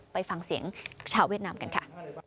ไปฟังเสียงชาวเวียดนามกันค่ะ